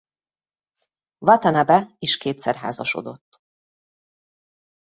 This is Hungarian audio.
Vatanabe is kétszer házasodott.